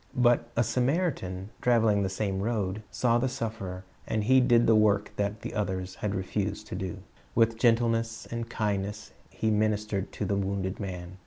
But a Samaritan, traveling the same road, saw the suf ferer, and he did the work that the others had refused to do. With gentleness and kindness he ministered to the wounded man.